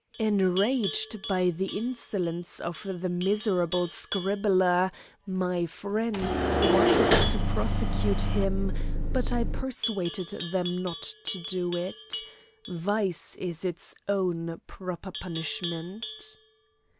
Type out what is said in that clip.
Enraged by the insolence of the miserable scribbler, my friends wanted to prosecute him, but I persuaded them not to do it. Vice is its own proper punishment.